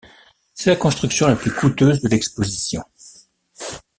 C'est la construction la plus coûteuse de l'exposition.